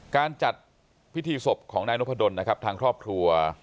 การจัดพิธีศพของนายนพดลนะครับทางครอบครัว